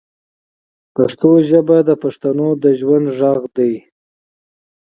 پښتو ژبه د بښتنو د ژوند ږغ دی